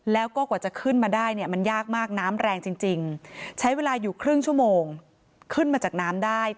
แล้วก็กว่าจะขึ้นมาได้เนี่ยมันยากมากน้ำแรงจริงใช้เวลาอยู่ครึ่งชั่วโมงขึ้นมาจากน้ำได้